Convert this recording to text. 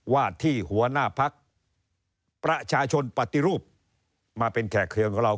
ว่าที่หัวหน้าพักประชาชนปฏิรูปมาเป็นแขกเครื่องของเรา